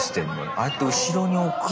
ああやって後ろに送る。